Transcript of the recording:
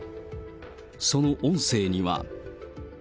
その音声には。